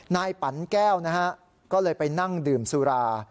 นายปันแก้วก็เลยไปนั่งดื่มสุรา